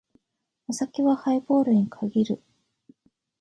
お酒はハイボールに限る。